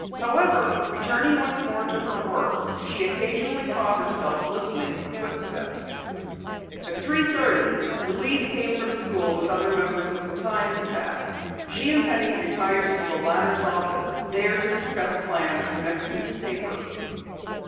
However, returning once more to her work, she occasionally caught herself listening for footsteps. At three thirty Louise came from school with other members of the Times staff. She and Penny retired to the latter's private office there to discuss plans for the next week's paper.